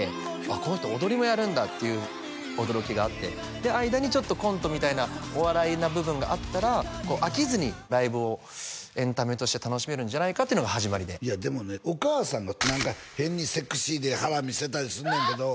この人踊りもやるんだっていう驚きがあってで間にちょっとコントみたいなお笑いな部分があったら飽きずにライブをエンタメとして楽しめるんじゃないかっていうのが始まりでいやでもねお母さんが何か「変にセクシーで腹見せたりすんねんけど」